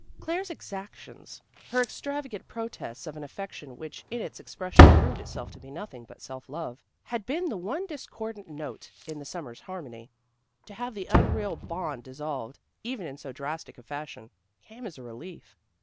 Claire's exactions, her extravagant protests of an affection which in its expression proved itself to be nothing but self love, had been the one discordant note in the summer's harmony. To have the unreal bond dissolved, even in so drastic a fashion, came as a relief.